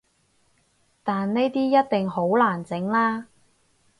但呢啲一定好難整喇